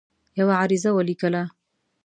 یوه عریضه ولیکله.